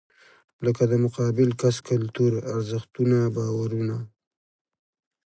لکه د مقابل کس کلتور، ارزښتونه، باورونه .